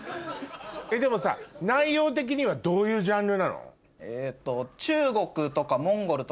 でもさ内容的にはどういうジャンルなの？